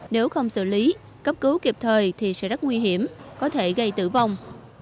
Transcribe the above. nếu không xử lý cấp cứu kịp thời thì sẽ rất nguy hiểm có thể gây tử vong